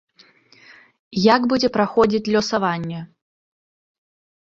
Як будзе праходзіць лёсаванне?